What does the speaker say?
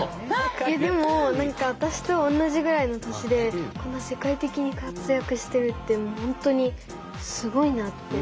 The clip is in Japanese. えでも私と同じぐらいの年でこんな世界的に活躍してるってもう本当にすごいなって。